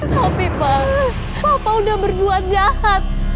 tapi pak papa udah berdoa jahat